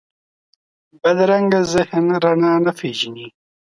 بدرنګه ذهن رڼا نه پېژني